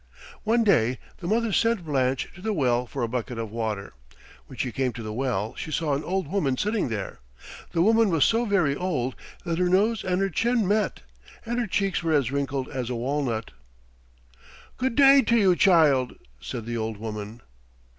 One day the mother sent Blanche to the well for a bucket of water. When she came to the well she saw an old woman sitting there. The woman was so very old that her nose and her chin met, and her cheeks were as wrinkled as a walnut. "Good day to you, child," said the old woman.